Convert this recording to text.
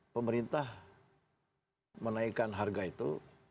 pemerintah menaikkan harga itu